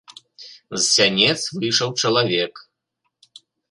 З сянец выйшаў чалавек.